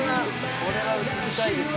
「これは映したいですよね」